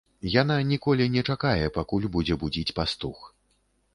Яна ніколі не чакае, пакуль будзе будзіць пастух.